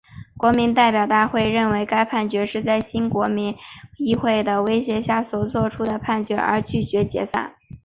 国民代表大会认为该判决是在新国民议会的威胁下所做出的判决而拒绝解散。